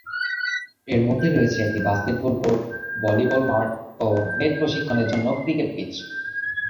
এর মধ্যে রয়েছে একটি বাস্কেটবল কোর্ট, ভলিবল মাঠ ও নেট প্রশিক্ষণের জন্য ক্রিকেট পিচ।